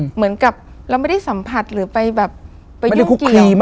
เหมือนกับเราไม่ได้สัมผัสหรือไปแบบไปยุ่งเกี่ยว